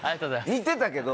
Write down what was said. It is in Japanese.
似てたけど。